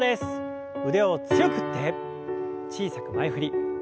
腕を強く振って小さく前振り。